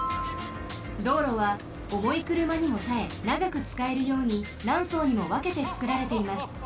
道路はおもいくるまにもたえながくつかえるようになんそうにもわけてつくられています。